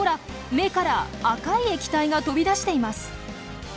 目から赤い液体が飛び出しています。